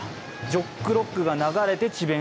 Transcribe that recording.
「ジョックロック」が流れて智弁